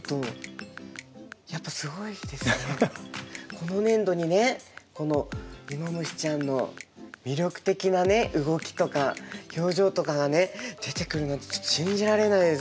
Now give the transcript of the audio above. この粘土にねこの芋虫ちゃんの魅力的なね動きとか表情とかがね出てくるなんてちょっと信じられないです